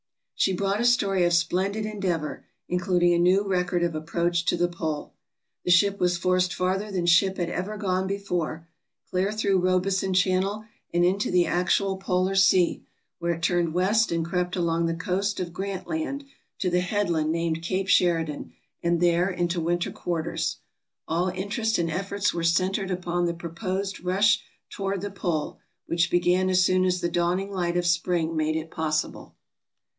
She brought a story of splendid endeavor, including a new record of approach to the pole. The ship was forced farther than ship had ever gone before — clear through Robeson Channel and into the actual polar sea, where it turned west and crept along the coast of Grant Land to the headland named Cape Sheridan, and there into winter quarters. All interest and efforts were centered upon the proposed rush toward the pole, which began as soon as the dawning light of spring made it possible.